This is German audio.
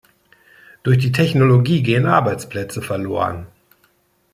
Durch die Technologie gehen Arbeitsplätze verloren.